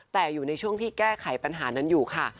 แต่อยู่ในช่วงที่แก้ไขปัญหานั้นอยู่ค่ะ